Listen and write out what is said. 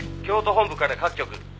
「京都本部から各局」